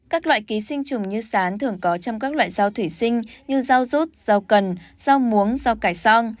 các loại ký sinh trùng như sán thường có trong các loại rau thủy sinh như rau rút rau cần rau muống rau cải song